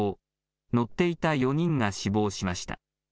乗っていた４人が死亡しました。